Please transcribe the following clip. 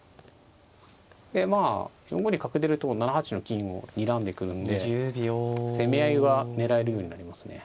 でまあ４五に角出ると７八の金をにらんでくるんで攻め合いは狙えるようになりますね。